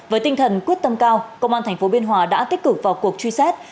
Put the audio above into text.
với tinh thần quyết tâm cao công an thành phố biên hòa đã tích cực vào cuộc truy xét